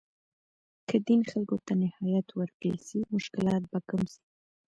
که دین خلګو ته نهایت ورکړل سي، مشکلات به کم سي.